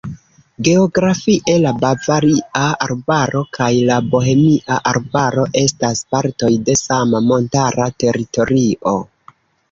Geografie la Bavaria Arbaro kaj la Bohemia Arbaro estas partoj de sama montara teritorio.